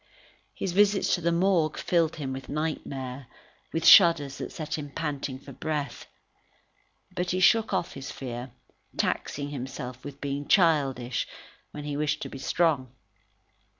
His visits to the Morgue filled him with nightmare, with shudders that set him panting for breath. But he shook off his fear, taxing himself with being childish, when he wished to be strong.